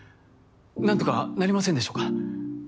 何とかなりませんでしょうか？